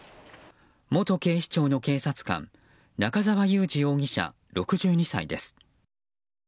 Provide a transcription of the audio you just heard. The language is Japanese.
元警視庁の警察官中沢雄二容疑者、６２歳です。